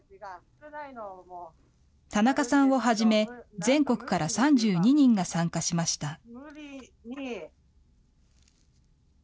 田中さんをはじめ、全国から３２人が参加しました。